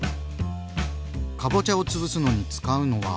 かぼちゃを潰すのに使うのは？